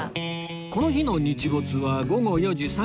この日の日没は午後４時３３分